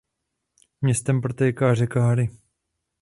Městem protéká řeka Hari.